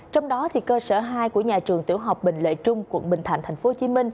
trong đó cơ sở hai của nhà trường tiểu học bình lợi trung quận bình thạnh tp hcm